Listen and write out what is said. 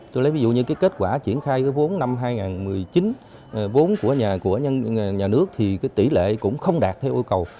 tôi lấy ví dụ như cái kết quả triển khai cái vốn năm hai nghìn một mươi chín vốn của nhà nước thì cái tỷ lệ cũng không đạt theo yêu cầu